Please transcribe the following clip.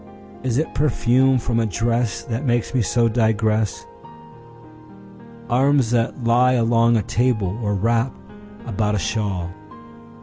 Is it perfume from a dressThat makes me so digress? Arms that lie along a table, or wrap about a shawl.